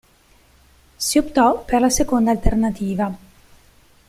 Si optò per la seconda alternativa.